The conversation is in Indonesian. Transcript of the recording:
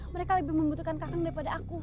mereka lebih membutuhkan kakang daripada aku